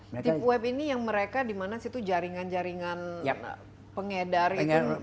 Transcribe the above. deep web ini yang mereka dimana sih tuh jaringan jaringan pengedar itu